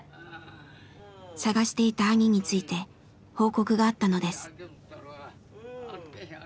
探していた兄について報告があったのです。